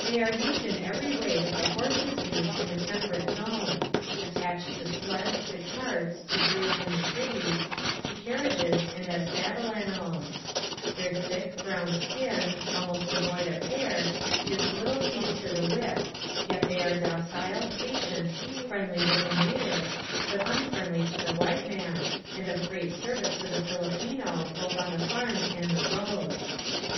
They are used in every way that the horse is used in the temperate zone ; at tached to sleds, to carts, to drays in the cities, to carriages, and as saddle animals. Their thick, brown skin, almost devoid of hair, gives little heed to the whip, yet they are docile, patient, friendly with the Queer Methods of Travel 701 Carabaos Threshing Rice in the PhiHppines natives, but unfriendly to the white man, and of great service to the Fihpino, both on the farms and the roads.